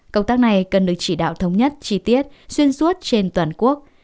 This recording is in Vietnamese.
công tác này cần được chỉ đạo thống nhất chi tiết xuyên suốt trên toàn quốc